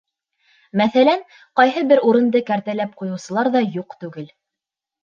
Мәҫәлән, ҡайһы бер урынды кәртәләп ҡуйыусылар ҙа юҡ түгел.